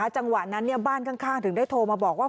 จังหวะนั้นบ้านข้างถึงได้โทรมาบอกว่า